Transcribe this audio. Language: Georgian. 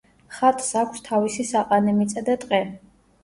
ხატს აქვს თავისი საყანე მიწა და ტყე.